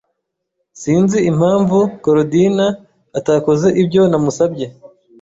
Sinzi impamvu Korodina atakoze ibyo namusabye.